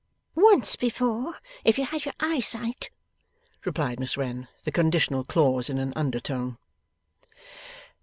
'Once before if you had your eyesight,' replied Miss Wren; the conditional clause in an under tone.